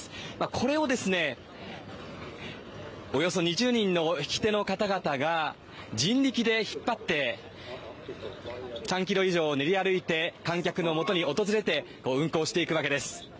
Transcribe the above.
これをおよそ２０人の引き手の方々が人力で引っ張って、３ｋｍ以上を練り歩いて観客の元に訪れて運行していくわけです。